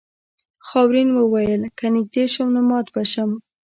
خاورین وویل که نږدې شم نو مات به شم.